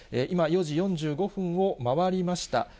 今、４時４５分を回りました。